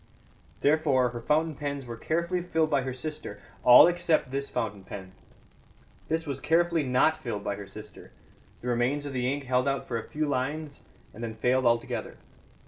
Therefore, her fountain pens were carefully filled by her sister all except this fountain pen. This was carefully not filled by her sister; the remains of the ink held out for a few lines and then failed altogether.